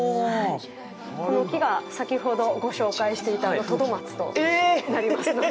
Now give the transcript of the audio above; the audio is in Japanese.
この木が先ほどご紹介していたあのトドマツとなりますので。